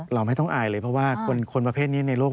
เราไม่ต้องอายเลยเพราะว่าคนประเภทนี้ในโลก